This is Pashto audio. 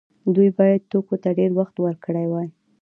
دوی باید توکو ته ډیر وخت ورکړی وای.